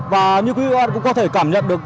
và như quý vị và các bạn cũng có thể cảm nhận được